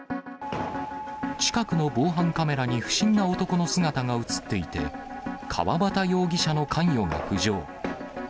近くの防犯カメラに不審な男の姿が映っていて、川端容疑者の関与が浮上。